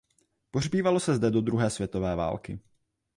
Pohřbívalo se zde do druhé světové války.